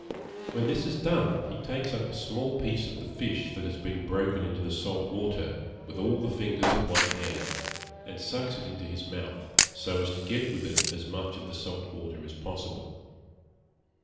When this is done, he takes up a small piece of the fish that has been broken into the salt water, with all the fingers of one hand, and sucks it into his mouth, so as to get with it as much of the salt water as possible.